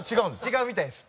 違うみたいです。